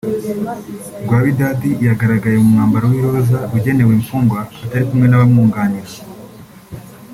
Rwabidadi yagaragaye mu mwambaro w’iroza ugenewe imfungwa atari kumwe n’abamwunganira